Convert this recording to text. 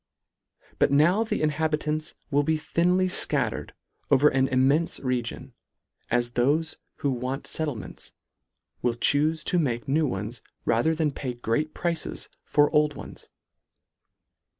But now the inhabitants will be thinly fcattered over an immenfe region, as thofe who want fettlements, will chufe to make new ones, rather than pay great prices for old ones.